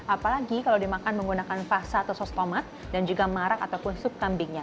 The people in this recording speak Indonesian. apalagi kalau dimakan menggunakan fasa atau sos tomat dan juga marak ataupun sup kambingnya